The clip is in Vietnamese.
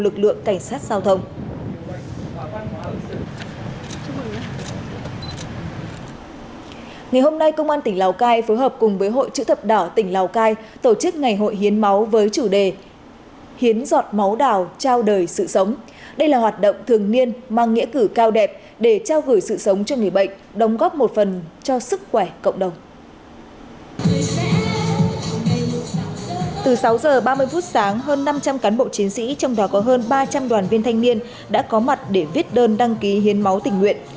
trước sáng hơn năm trăm linh cán bộ chiến sĩ trong đó có hơn ba trăm linh đoàn viên thanh niên đã có mặt để viết đơn đăng ký hiến máu tình nguyện